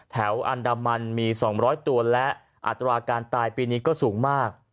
อันดามันมี๒๐๐ตัวและอัตราการตายปีนี้ก็สูงมาก